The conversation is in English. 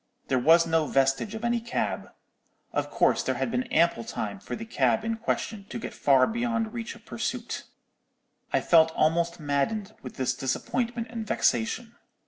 There was no vestige of any cab: of course there had been ample time for the cab in question to get far beyond reach of pursuit. I felt almost maddened with this disappointment and vexation.